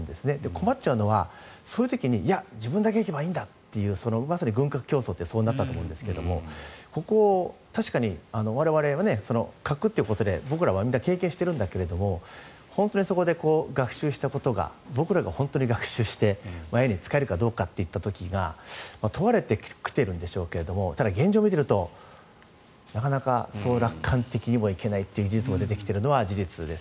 困っちゃうのは、そういう時に自分だけ生きればいいんだというまさに軍拡競争ってそうなったと思うんですが確かに我々は核ということで僕らはみんな経験してるんだけど本当にそこで学習したことが本当に僕らが学習して使えるかどうかということが問われてきているんでしょうがただ、現状を見てみるとなかなかそう楽観的にもいけないという事実も出てきているのは事実です。